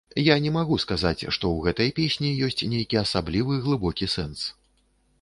Я не магу сказаць, што ў гэтай песні ёсць нейкі асаблівы глыбокі сэнс.